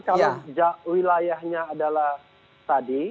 kalau wilayahnya adalah tadi